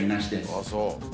あっそう。